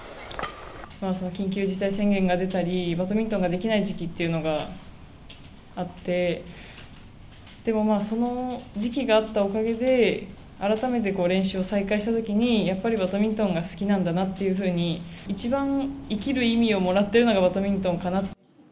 その緊急事態宣言が出たり、バドミントンができない時期っていうのがあって、でもその時期があったおかげで、改めて練習を再開したときに、やっぱりバドミントンが好きなんだなっていうふうに、一番生きる意味をもらっているのがバドミントンかなと。